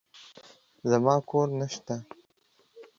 زما کور نشته.